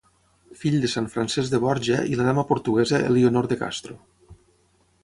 Fill de Sant Francesc de Borja i la dama portuguesa Elionor de Castro.